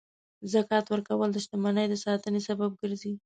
زکات ورکول د شتمنۍ د ساتنې سبب ګرځي.